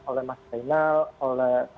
oleh mas reynal oleh